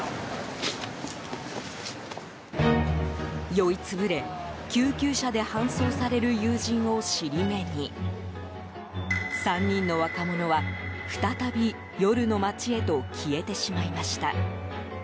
酔い潰れ救急車で搬送される友人を尻目に３人の若者は、再び夜の街へと消えてしまいました。